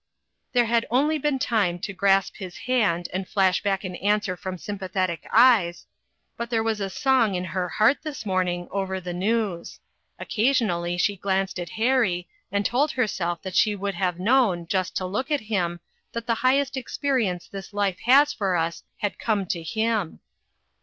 There had only been time to grasp his hand and flash back an answer from sym pathetic eyes, but there was a song in her RECOGNITION. 3/1 heart this morning over the news. Occa sionally she glanced at Harry, and told herself that she would have known, just to look at him, that the highest experience this life has for us had coine to him.